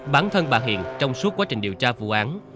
bản thân bà hiền trong suốt quá trình điều tra vụ án